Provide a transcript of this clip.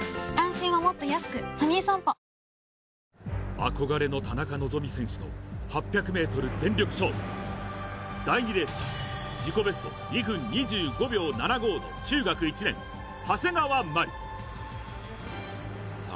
憧れの田中希実選手と８００ｍ全力勝負第２レースは自己ベスト２分２５秒７５の中学１年長谷川真理さあ